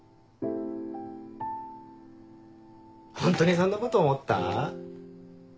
本当にそんなこと思った？